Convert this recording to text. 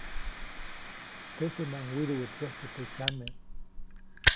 Teʼsemaʼuŋ widuʼwätsäjku teʼ jyame.